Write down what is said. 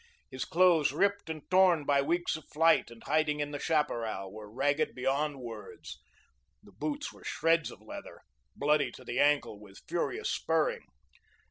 His clothes ripped and torn by weeks of flight and hiding in the chaparral, were ragged beyond words, the boots were shreds of leather, bloody to the ankle with furious spurring.